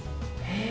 へえ。